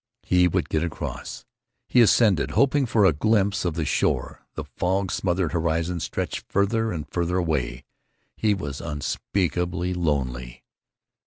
He would get across! He ascended, hoping for a glimpse of the shore. The fog smothered horizon stretched farther and farther away. He was unspeakably lonely.